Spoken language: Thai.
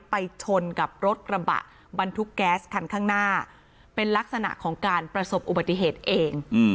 ไปชนกับรถกระบะบรรทุกแก๊สคันข้างหน้าเป็นลักษณะของการประสบอุบัติเหตุเอง